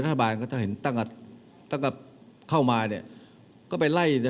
รัฐบาลก็จะเห็นตั้งแต่เข้ามาเนี่ยก็ไปไล่